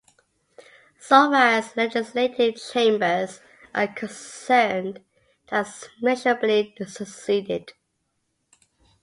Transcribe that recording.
So far as its legislative chambers are concerned, it has measurably succeeded.